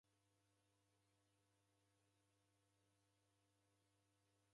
Kwakunde kulow'olwa?